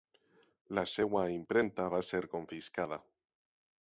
La seva impremta va ser confiscada.